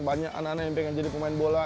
banyak anak anak yang pengen jadi pemain bola